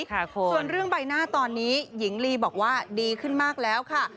ส่วนเรื่องใบหน้าตอนนี้หญิงลีบอกว่าดีขึ้นมากแล้วค่ะ